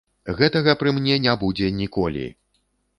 Гэтага пры мне не будзе ніколі!